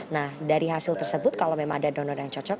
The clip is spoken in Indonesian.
nah dari hasil tersebut kalau memang ada donor yang cocok